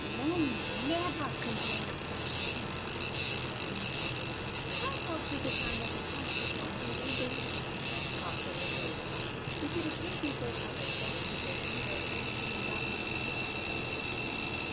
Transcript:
"Men never complain of such things," said Grannie. 29 Firetop took his hand off his stomach at once and made believe he had just coughed a little. You see the cave people taught their children to bear hunger and pain with out making any fuss about it.